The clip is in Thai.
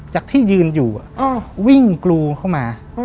จากที่ยืนอยู่วิ่งกรูเข้ามา